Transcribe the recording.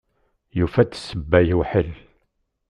Yufa-d ssebba yewḥel.